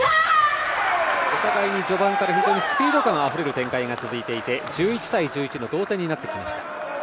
お互いに序盤から非常にスピード感あふれる展開が続いていて、１１対１１の同点になってきました。